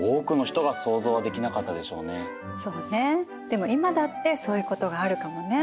でも今だってそういうことがあるかもね。